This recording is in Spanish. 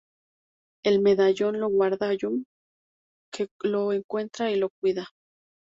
El medallón lo guarda Jun, que lo encuentra y lo cuida.